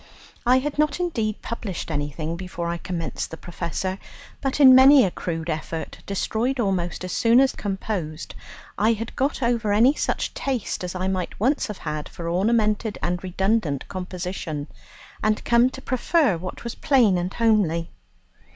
I had not indeed published anything before I commenced "The Professor," but in many a crude effort, destroyed almost as soon as composed, I had got over any such taste as I might once have had for ornamented and redundant composition, and come to prefer what was plain and homely.